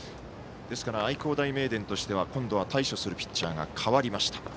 愛工大名電としては今度は対処するピッチャーが代わりました。